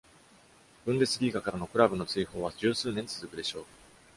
ブンデスリーガからのクラブの追放は、十数年続くでしょう。